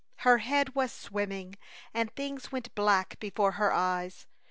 Her head was swimming, and things went black before her eyes.